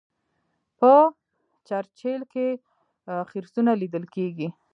په چرچیل کې خرسونه لیدل کیږي.